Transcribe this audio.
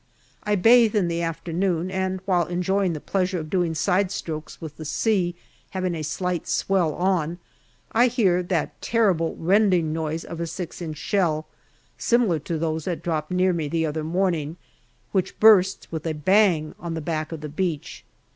I bathe in the afternoon, and while enjoying the pleasure of doing side strokes with the sea having a slight swell on, I hear that terrible rending noise of a 6 inch shell, similar to those that dropped near me the other morning, which " bursts with a bang at the back of the beach."